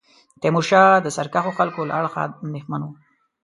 تیمورشاه د سرکښو خلکو له اړخه اندېښمن وو.